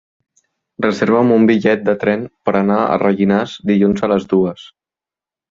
Reserva'm un bitllet de tren per anar a Rellinars dilluns a les dues.